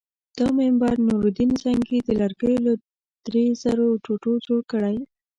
دا منبر نورالدین زنګي د لرګیو له درې زرو ټوټو جوړ کړی.